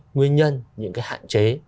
nguyên nhân những cái hạn chế